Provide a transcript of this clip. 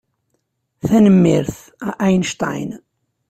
Tanemmirt a Einstein.